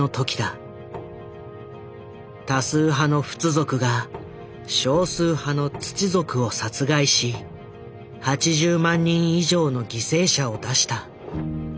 多数派のフツ族が少数派のツチ族を殺害し８０万人以上の犠牲者を出した。